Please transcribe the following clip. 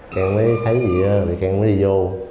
càng mới thấy gì vì càng mới đi vô